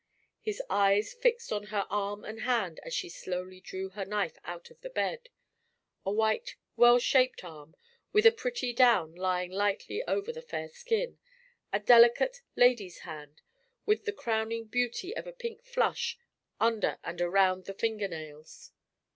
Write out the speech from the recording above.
His eyes fixed on her arm and hand as she slowly drew her knife out of the bed: a white, well shaped arm, with a pretty down lying lightly over the fair skin a delicate lady's hand, with the crowning beauty of a pink flush under and round the finger nails.